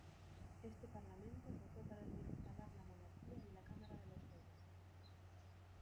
Este parlamento votó para reinstalar la monarquía y la Cámara de los Lores.